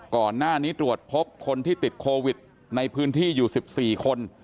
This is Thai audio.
ก่อนหน้านี้ตรวจพบคนที่ติดโควิดในพื้นที่อยู่๑๔คน